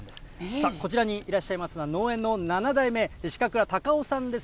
さあ、こちらにいらっしゃいますのは、農園の７代目、鹿倉孝男さんです。